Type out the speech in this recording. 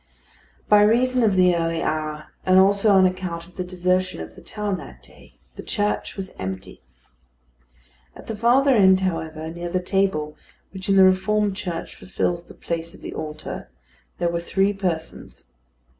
By reason of the early hour, and also on account of the desertion of the town that day, the church was empty. At the farther end, however, near the table which in the reformed church fulfils the place of the altar, there were three persons.